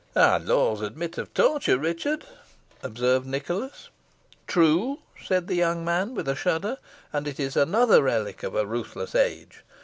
"Our laws admit of torture, Richard," observed Nicholas. "True," said the young man, with a shudder, "and it is another relic of a ruthless age.